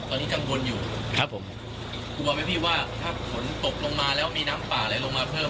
ตอนนี้กังวลอยู่ครับผมกลัวไหมพี่ว่าถ้าฝนตกลงมาแล้วมีน้ำป่าไหลลงมาเพิ่ม